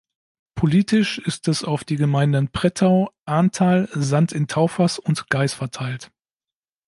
Politisch ist es auf die Gemeinden Prettau, Ahrntal, Sand in Taufers und Gais verteilt.